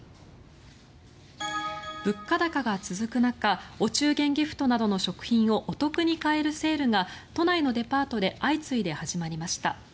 物価高が続く中お中元ギフトなどの食品をお得に買えるセールが都内のデパートで相次いで始まりました。